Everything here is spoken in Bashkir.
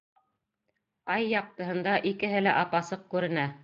Ай яҡтыһында икеһе лә ап-асыҡ күренә.